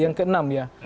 yang ke enam ya